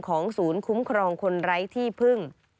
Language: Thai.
ศูนย์คุ้มครองคนไร้ที่พึ่ง